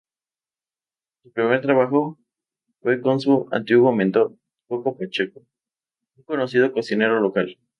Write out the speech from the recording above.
Su primer trabajo fue con su antiguo mentor, Coco Pacheco, un conocido cocinero local.